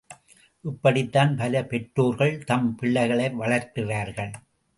இப்படித்தான் பல பெற்றோர்கள் தம், பிள்ளைகளை வளர்க்கிறார்கள்.